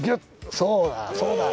そうだ！ん！